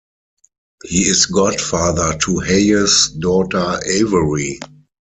He is godfather to Hayes' daughter, Avery.